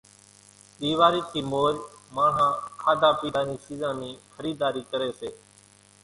ۮيواري ٿي مور ماڻۿان کاڌا پيڌا نِي سيزان نِي خريداري ڪري سي